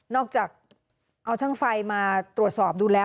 จากเอาช่างไฟมาตรวจสอบดูแล้ว